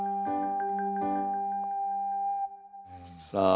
さあ